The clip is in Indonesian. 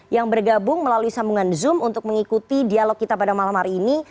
yang bergabung melalui sambungan zoom untuk mengikuti dialog kita pada malam hari ini